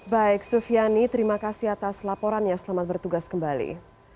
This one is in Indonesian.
baik sufiani terima kasih atas laporannya selamat bertugas kembali